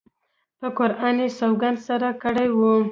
په قرآن یې سوګند سره کړی وو.